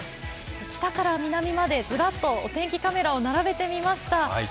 北から南までずらっとお天気カメラを並べてみました。